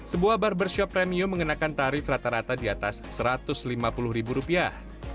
sebuah barbershop premium mengenakan tarif rata rata di atas satu ratus lima puluh ribu rupiah